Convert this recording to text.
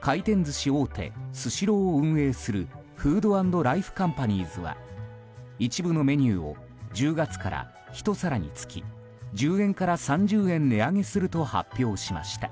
回転寿司大手スシローを運営するＦＯＯＤ＆ＬＩＦＥＣＯＭＰＡＮＩＥＳは一部のメニューを１０月から１皿につき１０円から３０円値上げすると発表しました。